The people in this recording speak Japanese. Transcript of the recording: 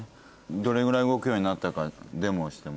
どれぐらい動くようになったかデモをしてもらって。